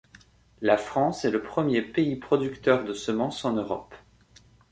La France est le premier pays producteur de semence en Europe.